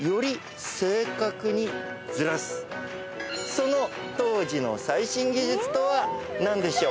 その当時の最新技術とは何でしょう？